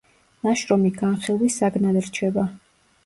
ნაშრომი განხილვის საგნად რჩება.